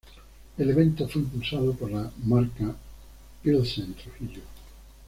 El evento fue impulsado por la marca Pilsen Trujillo.